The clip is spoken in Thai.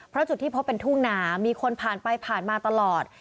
เพราะจุดที่พบเป็นทุ่งนามีคนผ่านไปผ่านมาตลอด